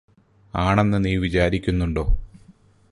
ആണെന്ന് നീ വിചാരിക്കുന്നുണ്ടോ